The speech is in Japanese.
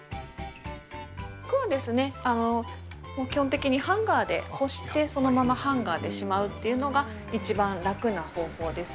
服はですね、基本的にハンガーで干して、そのままハンガーでしまうっていうのが一番楽な方法です。